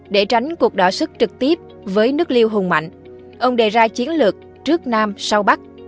để tránh cuộc đỏ sức trực tiếp với nước liêu hùng mạnh ông đề ra chiến lược trước nam sau bắc